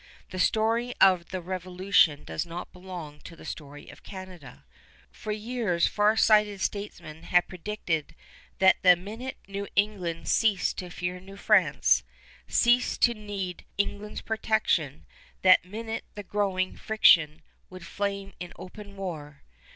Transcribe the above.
The story of the Revolution does not belong to the story of Canada. For years far sighted statesmen had predicted that the minute New England ceased to fear New France, ceased to need England's protection, that minute the growing friction would flame in open war.